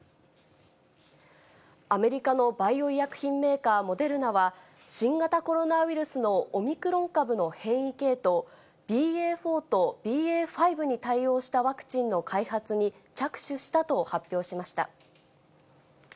アメリカのバイオ医薬品メーカー、モデルナは、新型コロナウイルスのオミクロン株の変異系統、ＢＡ．４とＢＡ．５に対応したワクチンの開発に着手したと発表しました。